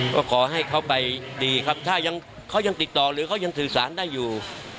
ก็ขอให้เขาไปดีครับถ้าเขายังติดต่อหรือเขายังสื่อสารได้อยู่